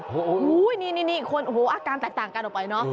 โอ้โหนี่อาการแตกต่างกันออกไปเนอะ